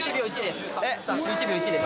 １１秒１０です。